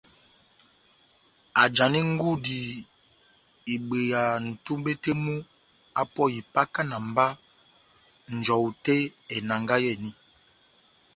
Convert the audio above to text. ajani ngudi ibweya nʼtumbe tɛh mu apɔhe ipakana mba njɔwu tɛh enangahi eni.